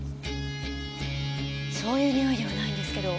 そういう臭いではないんですけど。